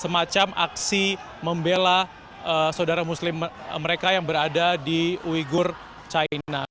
semacam aksi membela saudara muslim mereka yang berada di uyghur china